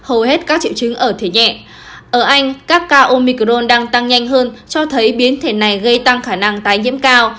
ở anh các ca omicron đang tăng nhanh hơn cho thấy biến thẻ này gây tăng khả năng tái nhiễm cao